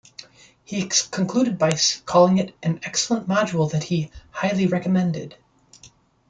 He concluded by calling it an "excellent module" that he "highly recommended".